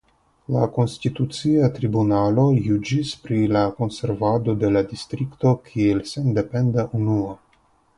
La Konstitucia Tribunalo juĝis pri la konservado de la distrikto kiel sendependa unuo.